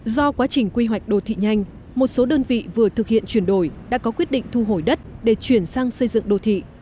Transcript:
do quá trình quy hoạch đô thị nhanh một số đơn vị vừa thực hiện chuyển đổi đã có quyết định thu hồi đất để chuyển sang xây dựng đô thị